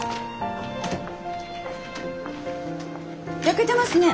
焼けてますね。